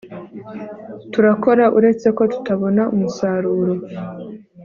turakora uretse ko tutabona umusaruro